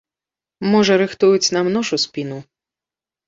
Можа рыхтуюць нам нож у спіну?